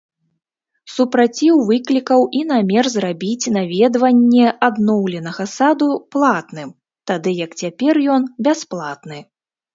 Супраціў выклікаў і намер зрабіць наведванне адноўленага саду платным, тады як цяпер ён бясплатны.